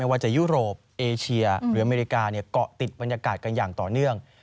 ว่าจะยุโรปเอเชียหรืออเมริกาเกาะติดบรรยากาศกันอย่างต่อเนื่อง